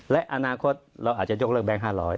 และอนาคตเราอาจจะยกเลิกแก๊ง๕๐๐